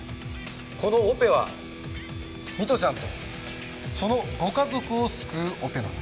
このオペは美都ちゃんとそのご家族を救うオペなんです。